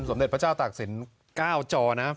สมเด็จพระเจ้าตักศิลป์ก้าวจอนะฮะ